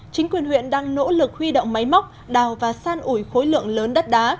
chính quyền huyện đang nỗ lực huy động máy móc đào và san ủi khối lượng lớn đất đá